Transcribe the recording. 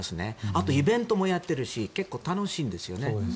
あとイベントもやっているし結構楽しいんですよね。